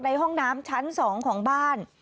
ห้องน้ำชั้น๒ของบ้าน